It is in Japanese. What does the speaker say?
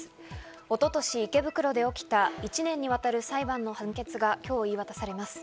一昨年、池袋で起きた１年にわたる裁判の判決が今日言い渡されます。